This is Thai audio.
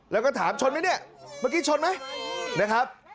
แล้วก็ถามชนไหมเนี่ยเมื่อกี้ชนไหมนะครับ